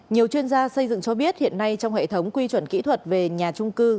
nhiều chuyên gia xây dựng cho biết hiện nay trong hệ thống quy chuẩn kỹ thuật về nhà trung cư